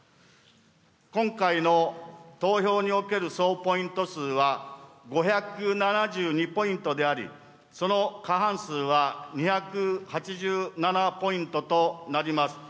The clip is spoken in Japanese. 今回の投票における総ポイント数は、５７２ポイントであり、その過半数は２８７ポイントとなります。